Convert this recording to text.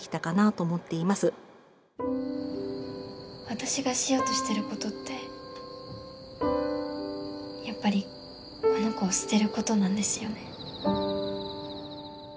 私がしようとしていることってやっぱり、この子を捨てることなんですよね？